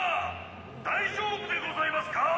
大丈夫でございますかぁ！？